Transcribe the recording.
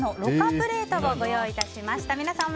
プレートをご用意いたしました。